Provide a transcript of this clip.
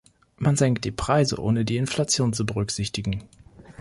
Man senkt die Preise, ohne die Inflation zu berücksichtigen.